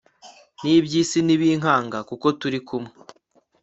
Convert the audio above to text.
n'iby'isi ntibinkanga, kuko turi kumwe